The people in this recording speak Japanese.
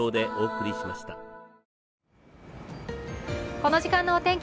この時間のお天気